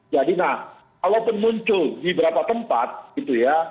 jadi nah kalau pun muncul di beberapa tempat gitu ya